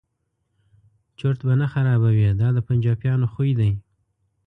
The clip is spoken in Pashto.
چرت به نه خرابوي دا د پنجابیانو خوی دی.